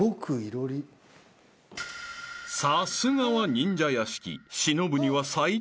［さすがは忍者屋敷］